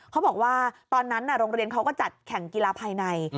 เขาบอกว่าตอนนั้นโรงเรียนเขาก็จัดแข่งกีฬาภายใน